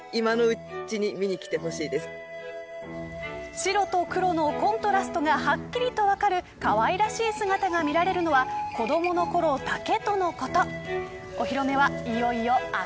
白と黒のコントラストがはっきりと分かるかわいらしい姿が見られるのは子どものころだけとのこと。